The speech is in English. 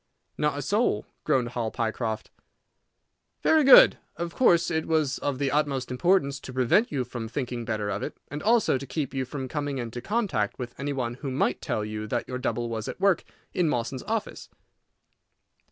"Not a soul," groaned Hall Pycroft. "Very good. Of course it was of the utmost importance to prevent you from thinking better of it, and also to keep you from coming into contact with any one who might tell you that your double was at work in Mawson's office.